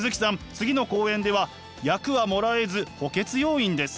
次の公演では役はもらえず補欠要員です。